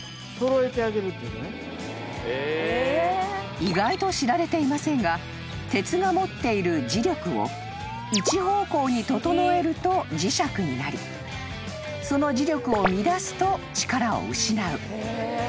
［意外と知られていませんが鉄が持っている磁力を一方向に整えると磁石になりその磁力を乱すと力を失う］